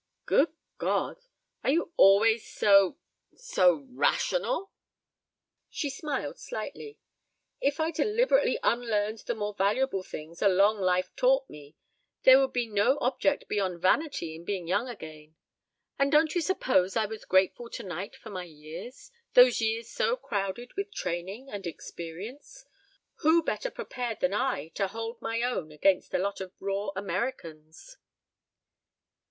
"Good God! Are you always so so rational?" She smiled slightly. "If I deliberately unlearned the more valuable things a long life taught me there would be no object beyond vanity in being young again. And don't you suppose I was grateful tonight for my years those years so crowded with training and experience? Who better prepared than I to hold my own against a lot of raw Americans?"